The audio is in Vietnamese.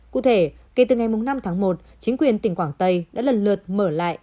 cụ thể kể từ ngày năm tháng một chính quyền tỉnh quảng tây đã lần lượt mở lại